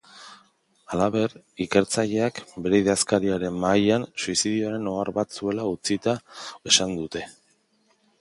Halaber, ikertzaileak bere idazkariaren mahaian suizidioaren ohar bat zuela utzita esan dute.